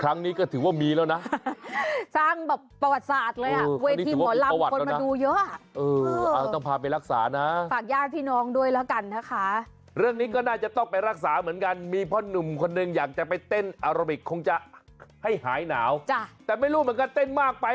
แล้วก็ต้องคึกคักดีดดิ้งน่ะนะคะ